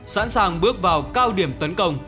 sẵn sàng bước vào cao điểm tấn công